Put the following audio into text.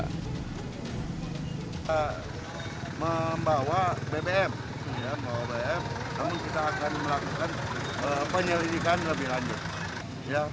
kita membawa bbm membawa bbm namun kita akan melakukan penyelidikan lebih lanjut